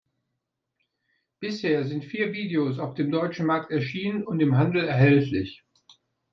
Bisher sind vier Videos auf dem deutschen Markt erschienen und im Handel erhältlich.